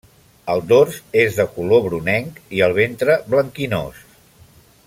El dors és de color brunenc i el ventre blanquinós.